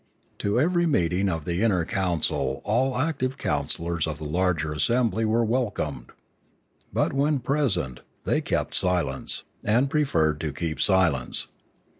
To every meeting of the inner coun cil all active councillors of the larger assembly were welcomed. But, when present, they kept silence, and preferred to keep silence.